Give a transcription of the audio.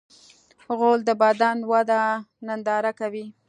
غول د بدن وده ننداره کوي.